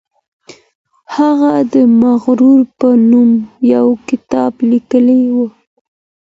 هغه د مفرور په نوم یو کتاب لیکلی و.